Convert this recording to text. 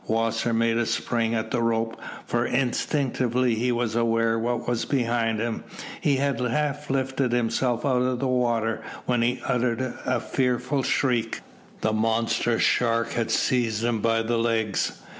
Wasser made a spring at the rope, for instinctively he was aware what was behind him. He had half lifted himself out of the water, when he uttered a fearful shriek. The monster shark had seized him by the legs.